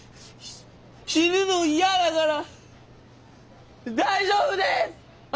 死ぬの嫌だから大丈夫です！